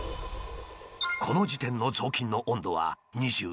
この時点の雑巾の温度は２１度。